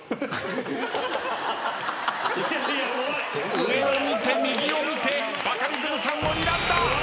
上を見て右を見てバカリズムさんをにらんだ。